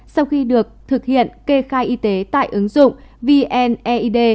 sau khi được thực hiện kê khai y tế tại ứng dụng vneid